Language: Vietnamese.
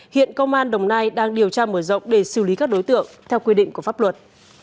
hiện công an đồng nai đang điều tra mở rộng để xử lý các đối tượng theo quy định của pháp luật